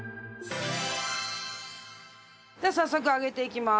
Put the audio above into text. では早速揚げていきます。